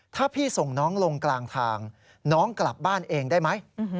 ถ้าพี่ส่งน้องลงกลางทางน้องกลับบ้านเองได้ไหม